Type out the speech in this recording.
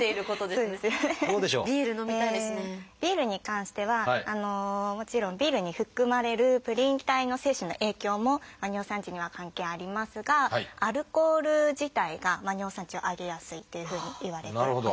ビールに関してはもちろんビールに含まれるプリン体の摂取の影響も尿酸値には関係ありますがアルコール自体が尿酸値を上げやすいっていうふうにいわれております。